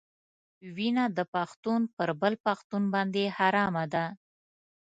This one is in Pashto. وینه د پښتون پر بل پښتون باندې حرامه ده.